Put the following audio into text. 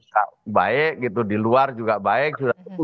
dan juga di luar juga baik